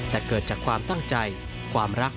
แต่เกิดจากความตั้งใจความรัก